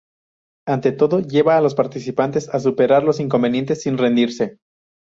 Ante todo, lleva a los participantes a superar los inconvenientes sin rendirse.